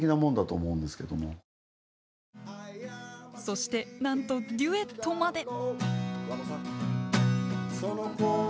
そしてなんとデュエットまで！